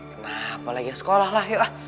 kenapa lagi sekolah lah yuk ah